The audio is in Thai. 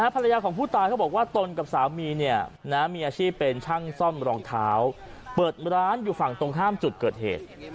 ภรรยาของผู้ตายเขาบอกว่าตนกับสามีเนี่ยมีอาชีพเป็นช่างซ่อมรองเท้าเปิดร้านอยู่ฝั่งตรงข้ามจุดเกิดเหตุ